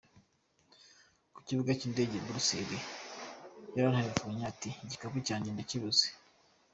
Ku kibuga cy’indege i Buruseli yarantelefonnye ati igikapu cyanjye ndakibuze.